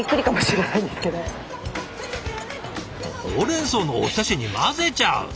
ほうれんそうのお浸しに混ぜちゃう。